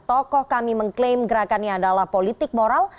tokoh kami mengklaim gerakannya adalah politik moral